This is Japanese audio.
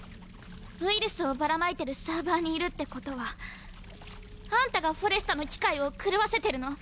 ウイルスをばらまいてるサーバーにいるってことはあんたがフォレスタの機械を狂わせてるの？